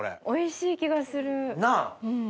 おいしい気がする。なぁ！